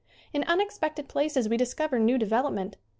In unexpected places we discover new devel opment.